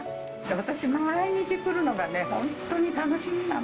私、毎日来るのがね、本当に楽しみなの。